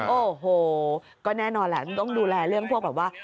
โอ้โหก็แน่นอนแหละต้องดูแลเรื่องพวกแบบว่า